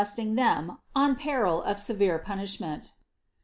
iling lliem on peril of severe punishment.